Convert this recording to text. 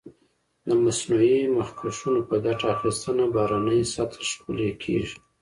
د مصنوعي مخکشونو په ګټه اخیستنه بهرنۍ سطحه ښکلې کېږي.